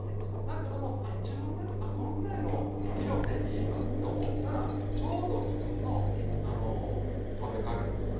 だけども自分でこのくらいの色でいいわって思ったらちょうど自分の食べ加減というかね